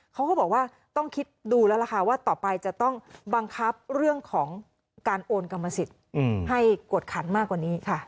เขาก็บอกว่าต้องคิดดูแล้วล่ะค่ะว่าต่อไปจะต้องบังคับเรื่องของการโอนกรรมสิทธิ์ให้กวดขันมากกว่านี้ค่ะ